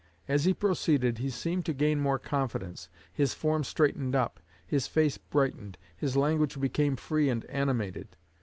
As he proceeded he seemed to gain more confidence, his form straightened up, his face brightened, his language became free and animated.